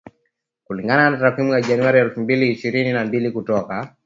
Kulingana na takwimu za Januari elfu mbili ishirni na mbili kutoka